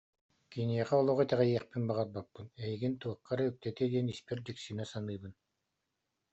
Киниэхэ олох итэҕэйиэхпин баҕарбаппын, эйигин туохха эрэ үктэтиэ диэн испэр дьиксинэ саныыбын